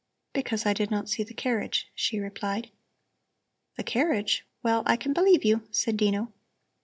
"Because I did not see the carriage," she replied. "The carriage? Well, I can believe you," said Dino.